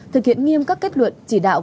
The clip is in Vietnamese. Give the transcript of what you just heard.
thực hiện nghiêm các kết luận chỉ đạo